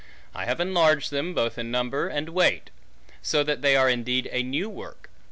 I have enlarged them, both in Number, and Weight; So that they are indeed a New Worke.